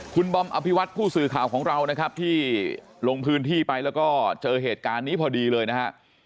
คุณบอมอภิวัตผู้สื่อข่าวของเรานะครับที่ลงพื้นที่ไปแล้วก็เจอเหตุการณ์นี้พอดีเลยนะฮะ